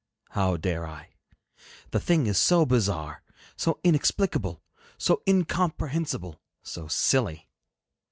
How dare I? The thing is so bizarre, so inexplicable, so incomprehensible, so silly!